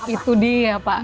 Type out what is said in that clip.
itu dia pak